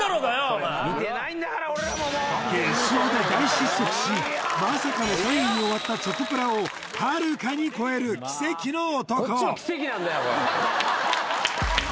お前決勝で大失速しまさかの３位に終わったチョコプラをはるかに超える奇跡の男